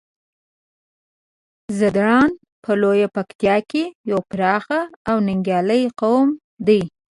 ځدراڼ په لويه پکتيا کې يو پراخ او ننګيالی قوم دی.